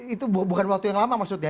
itu bukan waktu yang lama maksudnya